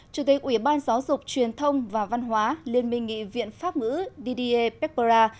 chủ tịch ủy ban giáo dục truyền thông và văn hóa liên minh nghị viện pháp ngữ dda peppora